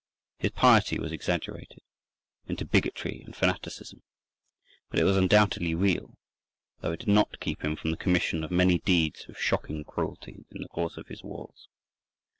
His piety was exaggerated into bigotry and fanaticism, but it was undoubtedly real, though it did not keep him from the commission of many deeds of shocking cruelty in the course of his wars.